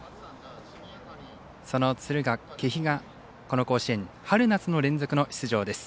その敦賀気比がこの甲子園春夏の連続の出場です。